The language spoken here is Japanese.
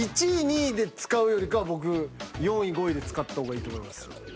１位２位で使うよりか僕４位５位で使った方がいいと思いますよ。